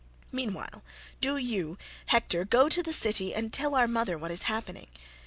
Meanwhile do you, Hector, go to the city and tell our mother what is happening.